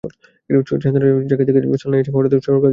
চান্দনা থেকে ঝাঁকি খেতে খেতে সালনায় এসে হঠাৎ যেন সড়ক বিলীন হয়ে গেল।